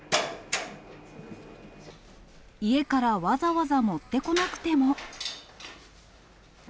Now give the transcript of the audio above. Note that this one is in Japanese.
家からわざわざ持ってこなくても。